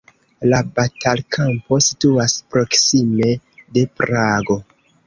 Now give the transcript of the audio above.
La batalkampo situas proksime de Prago.